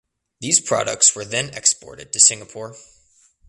These products were then exported to Singapore.